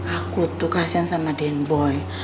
aku tuh kasian sama denboy